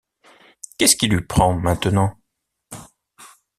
Qu'est-ce qui lui prend maintenant?